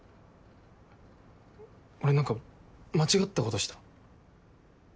俺何か間違ったことした？